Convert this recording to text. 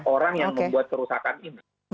orang yang membuat kerusakan ini